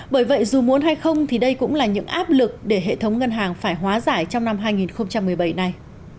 bởi vậy dù muốn hay không thì đây cũng là những áp lực để hệ thống ngân hàng phải hóa giải trong năm hai nghìn một mươi bảy này